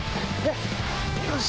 よし！